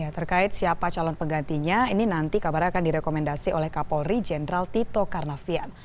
terkait siapa calon penggantinya ini nanti kabarnya akan direkomendasi oleh kapolri jenderal tito karnavian